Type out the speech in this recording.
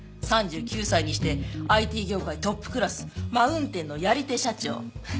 ３９歳にしてＩＴ業界トップクラスマウンテンのやり手社長。